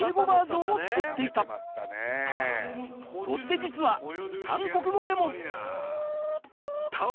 そして実は韓国語でも